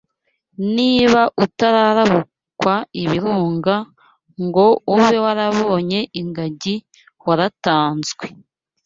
Niba utararabukwa ibirunga ngo ube warabonye ingagi waratanzwe.